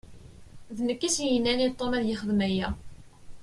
D nekk i s-yennan i Tom ad yexdem aya.